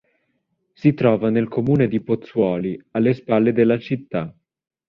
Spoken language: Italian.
Si trova nel comune di Pozzuoli, alle spalle della città.